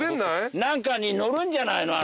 何かに乗るんじゃない？